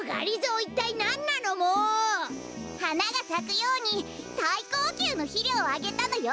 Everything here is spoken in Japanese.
いったいなんなのも！？はながさくようにさいこうきゅうのひりょうをあげたのよ！